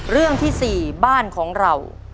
เรื่องที่๔บ้านของเรา